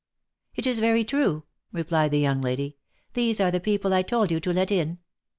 " It is very true," replied the young lady. " These are the people I told you to let in."